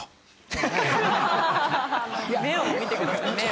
目を見てください目を。